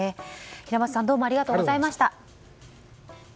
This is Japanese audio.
平松さんどうもありがとうございました。